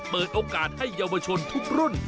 เปิดโอกาสให้เยาวชนทุกรุ่น